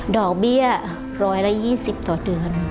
ดอกเบี้ย๑๒๐ต่อเดือน